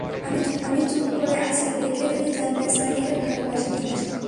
আমি চুপ করে আছি দেখে তুই জানতে চাইলি, আমি তোকে ভালোবাসি কিনা।